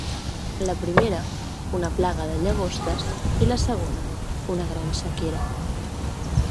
La primera, una plaga de llagostes, i la segona una gran sequera.